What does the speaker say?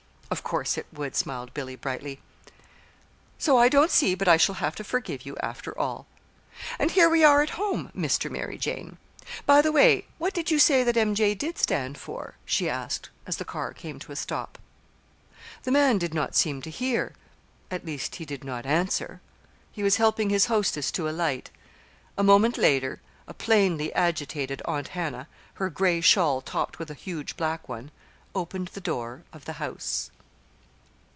"Of course it would," smiled Billy, brightly; "so I don't see but I shall have to forgive you, after all. And here we are at home, Mr. Mary Jane. By the way, what did you say that 'M. J.' did stand for?" she asked, as the car came to a stop. The man did not seem to hear; at least he did not answer. He was helping his hostess to alight. A moment later a plainly agitated Aunt Hannah her gray shawl topped with a huge black one opened the door of the house.